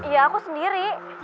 ya aku sendiri